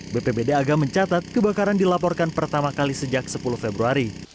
bpbd agam mencatat kebakaran dilaporkan pertama kali sejak sepuluh februari